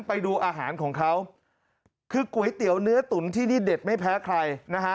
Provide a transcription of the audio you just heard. ไปดูอาหารของเขาคือก๋วยเตี๋ยวเนื้อตุ๋นที่นี่เด็ดไม่แพ้ใครนะฮะ